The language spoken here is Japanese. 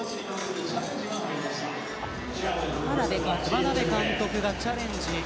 眞鍋監督がチャレンジをします。